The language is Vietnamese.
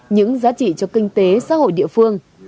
những giá trị cho kinh tế xã hội địa phương